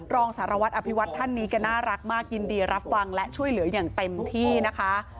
รองสารวัตรอภิวัฒน์ท่านนี้แกน่ารักมากยินดีรับฟังและช่วยเหลืออย่างเต็มที่นะคะ